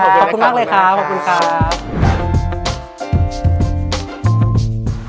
ขอบคุณมากเลยครับขอบคุณครับ